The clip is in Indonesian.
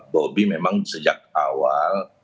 bobi memang sejak awal